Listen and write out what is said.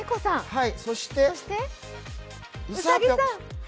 そして、うさぴょん。